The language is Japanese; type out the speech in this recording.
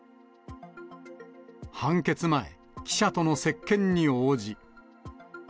判決前、記者との接見に応じ。